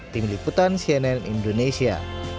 tim liputan cnn indonesia